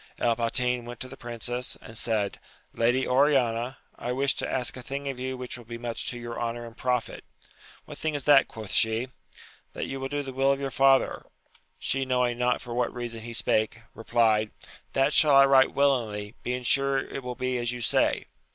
El Patin went to the princess, and said,^ Lady Oriana^ I wish to ask a thing of you which will be much to your honour and profit. What thing is that ? quoth she. — ^That you will do the will of your father. She knowing no^ 18 2 276 AMADIS OF GAUL. for what reason lie spake, replied, That shall I right willingly, being sure it will be as you say.